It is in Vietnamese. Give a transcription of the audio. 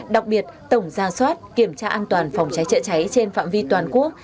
đặc biệt tổng ra soát kiểm tra an toàn phòng cháy chữa cháy trên phạm vi toàn quốc